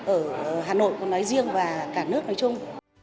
ở hà nội nói riêng và cả nước nói chung